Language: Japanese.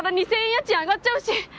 家賃上がっちゃうし。